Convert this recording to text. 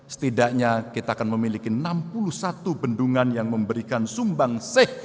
setidaknya kita akan memiliki enam puluh satu bendungan yang memberikan sumbang seh